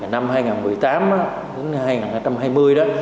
năm hai nghìn một mươi tám đến hai nghìn hai mươi đó